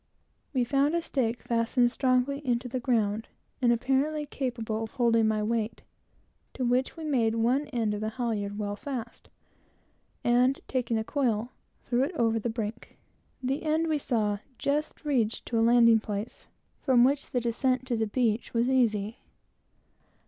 We found a stake fastened strongly into the ground, and apparently capable of holding my weight, to which we made one end of the halyards well fast, and taking the coil, threw it over the brink. The end, we saw, just reached to a landing place, from which the descent to the beach was easy.